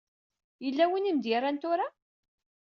Yella win i m-d-yerran tura?